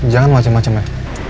jangan macem macem ya